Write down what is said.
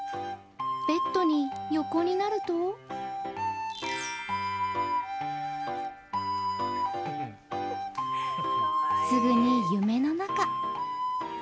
ベッドに横になるとすぐに夢の中。